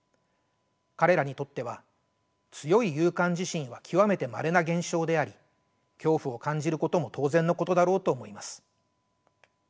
彼らにとっては強い有感地震は極めてまれな現象であり恐怖を感じることも当然のことだろうと思います。